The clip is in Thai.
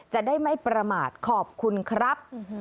จะได้ไม่ประมาทขอบคุณครับ